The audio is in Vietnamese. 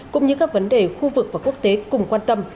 cũng như các vấn đề khu vực và quốc tế cùng quan tâm